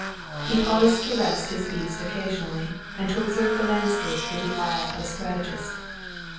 He paused to rest his beast occasionally and to observe the landscape with the eye of a strategist.